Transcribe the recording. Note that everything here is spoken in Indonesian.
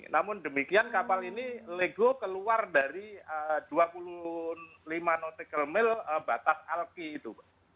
namun demikian kapal ini lego keluar dari dua puluh lima nautical mil batas alki itu